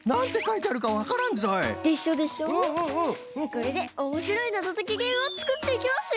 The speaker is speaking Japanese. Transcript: これでおもしろいなぞときゲームをつくっていきますよ！